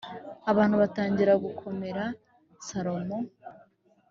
Abantu batangira kugomera Salomo